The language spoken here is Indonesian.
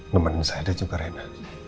nemenin saya dan juga rena